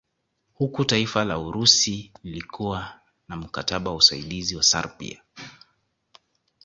Huku taifa la Urusi lilikuwa na mkataba wa usaidizi na Serbia